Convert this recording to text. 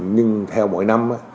nhưng theo mọi năm